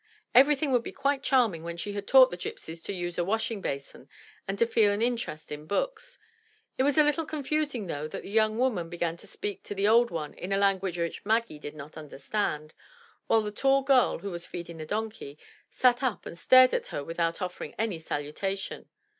Everything would be quite charming when she had taught the gypsies to use a washing basin and to feel an interest in books. It was a little confusing, though, that the young woman began to speak to the old one in a language which Maggie did not understand, while the tall girl, who was feeding the donkey, sat up and stared at her without offering any salutation.